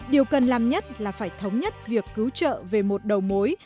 điều cần làm nhất là phải thống nhất việc cứu trợ về một đầu mối